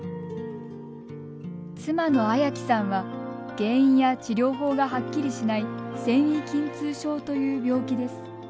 妻の恵生さんは原因や治療法がはっきりしない線維筋痛症という病気です。